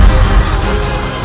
aku tidak percaya